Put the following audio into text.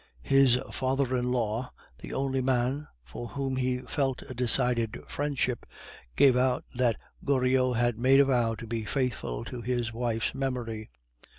His father in law, the only man for whom he felt a decided friendship, gave out that Goriot had made a vow to be faithful to his wife's memory.